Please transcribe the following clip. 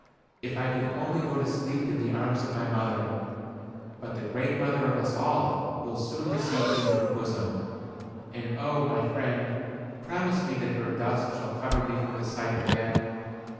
If I could only go to sleep in the arms of my mother. But the Great Mother of us all will soon receive me in her bosom. And oh! my friend, promise me that her dust shall cover me from the sight of men.